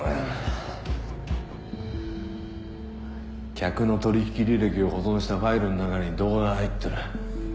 客の取引履歴を保存したファイルの中に動画が入ってる。